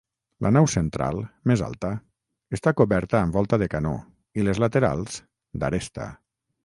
La nau central, més alta, està coberta amb volta de canó i les laterals, d'aresta.